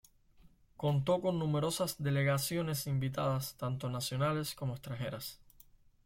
Contó con numerosas delegaciones invitadas, tanto nacionales como extranjeras.